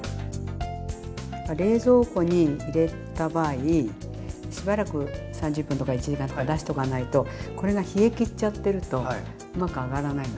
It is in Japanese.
冷蔵庫に入れた場合しばらく３０分とか１時間とか出しとかないとこれが冷え切っちゃってるとうまく揚がらないのね。